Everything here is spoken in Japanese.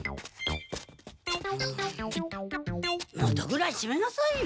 戸ぐらい閉めなさいよ。